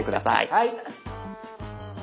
はい。